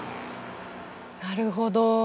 なるほど。